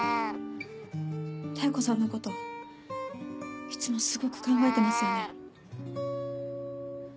妙子さんのこといつもすごく考えてますよね。